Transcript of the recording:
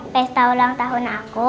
pesta ulang tahun aku kayak kamu